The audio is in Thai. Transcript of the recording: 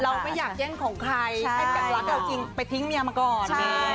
เราไม่อยากเยี่ยมของใครเป็นแบบรักเอาจริงไปทิ้งเมียมาก่อน